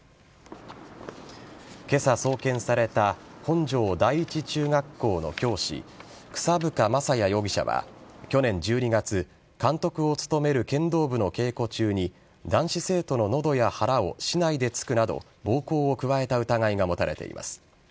今朝、送検された本庄第一中学校の教師草深将也容疑者は去年１２月監督を務める剣道部の稽古中に男子生徒の喉や腹を竹刀で突くなど暴行を加えた疑いが持たれています。